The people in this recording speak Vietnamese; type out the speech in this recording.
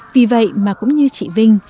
vì vậy mà cũng như chị vinh